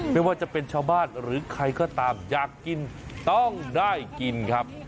ไม่ว่าจะเป็นชาวบ้านหรือใครก็ตามอยากกินต้องได้กินครับ